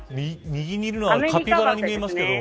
右にいるのはカピバラに見えますけど。